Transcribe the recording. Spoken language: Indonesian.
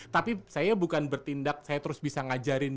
tapi saya bukan bertindak saya terus bisa ngajarin